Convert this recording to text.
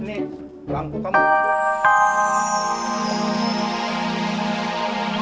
eh tunggu tunggu